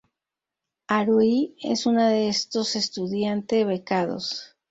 Haruhi es una de estos estudiante becados.